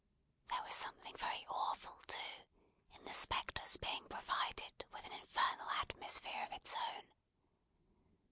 There was something very awful, too, in the spectre's being provided with an infernal atmosphere of its own.